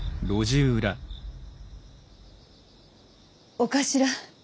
お頭